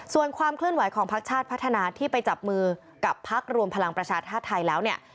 ส่วนความเคลื่อนไหวของพักชาติพัฒนาที่ไปจับมือกับพักรวมพลังประชาธาตุไทยแล้วเนี่ย